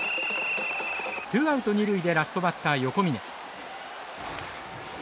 ツーアウト二塁でラストバッター横峯。